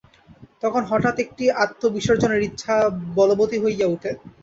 তখন হঠাৎ একটা আত্মবিসর্জনের ইচ্ছা বলবতী হইয়া উঠে।